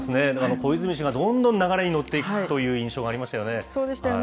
小泉氏がどんどん流れに乗っていくという印象がありましたよね。